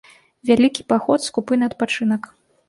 Вялікі паход скупы на адпачынак.